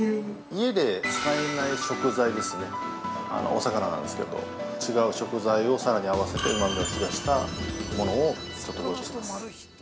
◆家で使えない食材ですね、お魚なんですけど、違う食材をさらに合わせてうまみを引き出しをしたものをご用意しています。